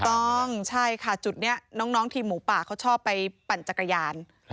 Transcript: ต้องใช่ค่ะจุดนี้น้องทีมหมูป่าเขาชอบไปปั่นจักรยาน